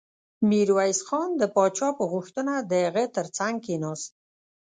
ميرويس خان د پاچا په غوښتنه د هغه تر څنګ کېناست.